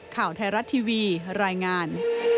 ข่าวไทยรัฐทีวีรายงาน